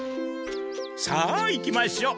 さあ行きましょう！